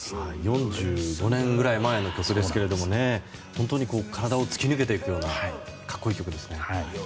４５年くらい前の曲ですが本当に体を突き抜けていくような格好いい曲ですね。